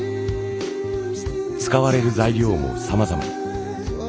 使われる材料もさまざま。